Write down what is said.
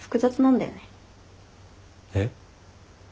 えっ？